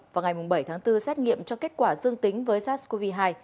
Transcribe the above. và ngày bảy tháng bốn xét nghiệm cho kết quả xương tính với sars cov hai